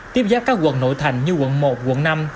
tiếp giáp các quận nội thành như quận một quận năm